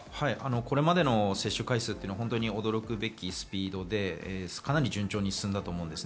これまでの接種回数は驚くべきスピードでかなり順調に進んだと思います。